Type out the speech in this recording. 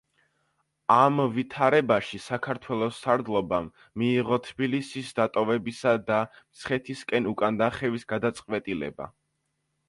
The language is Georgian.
ამ ვითარებაში საქართველოს სარდლობამ მიიღო თბილისის დატოვებისა და მცხეთისკენ უკანდახევის გადაწყვეტილება.